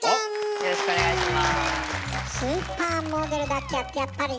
よろしくお願いします。